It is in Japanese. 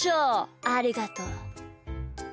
ありがとう。